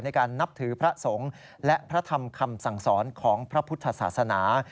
ในการนับถือพระสงฆ์และพระธรรมคำสั่งสอนของพระพุทธศาสนา